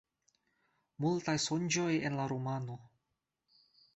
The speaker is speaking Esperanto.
Multaj sonĝoj en la romano.